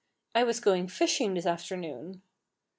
"I was going fishing this afternoon."